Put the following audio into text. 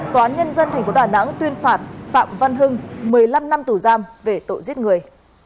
tòa án nhân dân tp đà nẵng tuyên phạt phạm văn hưng một mươi năm năm tù giam về tội giết người